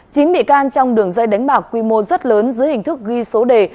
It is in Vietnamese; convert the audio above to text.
chín bị can trong đường dây đánh bạc quy mô rất lớn dưới hình thức ghi số đề